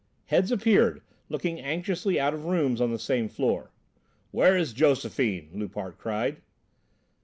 Heads appeared, looking anxiously out of rooms on the same floor. "Where is Josephine?" Loupart cried.